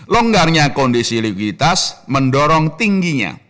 longgarnya kondisi likuiditas mendorong tingginya